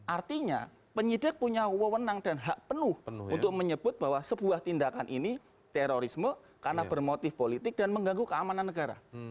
artinya penyidik punya wewenang dan hak penuh untuk menyebut bahwa sebuah tindakan ini terorisme karena bermotif politik dan mengganggu keamanan negara